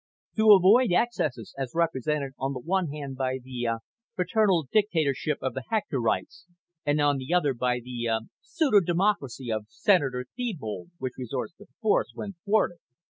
To avoid excesses as represented on the one hand by the, uh, paternalistic dictatorship of the Hectorites, and on the other by the, uh, pseudo democracy of Senator Thebold which resorts to force when thwarted.